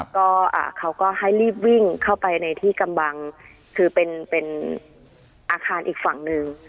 ก็เขาก็ให้รีบวิ่งเข้าไปในที่กำบังคือเป็นอาคารอีกฝั่งหนึ่ง